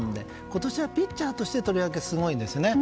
今年はピッチャーとしてとりわけ、すごいですね。